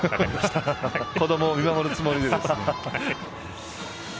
子どもを見守るつもりで。